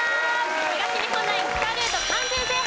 東日本ナイン北ルート完全制覇。